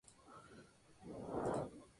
Umpa-pah en misión secreta.